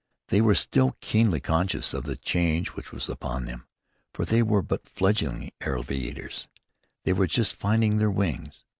They were still keenly conscious of the change which was upon them, for they were but fledgling aviators. They were just finding their wings.